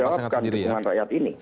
pasangan sendiri ya